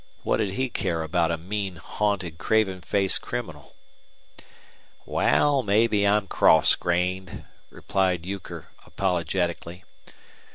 What did he care about a mean, haunted, craven faced criminal? "Wal, mebbe I'm cross grained," replied Euchre, apologetically.